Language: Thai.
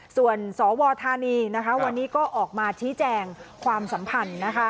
ส่วนสวธานีนะคะวันนี้ก็ออกมาชี้แจงความสัมพันธ์นะคะ